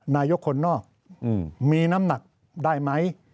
นายกคนนอกมีน้ำหนักได้ไหม